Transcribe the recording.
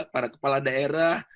para kepala daerah